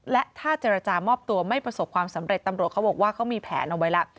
และถ้าเจรจามอบตัวไม่ประสบความสำเร็จตำรวจเขาบอกว่าเขามีแผนเอาไว้แล้ว